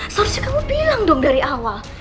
seharusnya kamu bilang dong dari awal